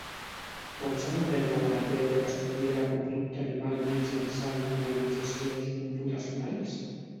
Com s'anomena la matèria que estudia la conducta animal mitjançant modelitzacions computacionals?